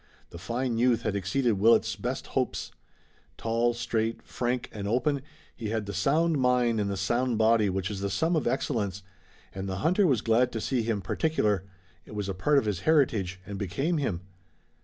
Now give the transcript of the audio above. The fine youth had exceeded Willet's best hopes. Tall, straight, frank and open, he had the sound mind in the sound body which is the sum of excellence, and the hunter was glad to see him particular. It was a part of his heritage, and became him.